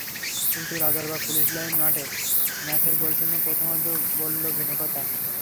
কিন্তু Rajarbagh police line মাঠে ম্যাচের গোলশূন্য প্রথমার্ধ বলল ভিন্ন কথা।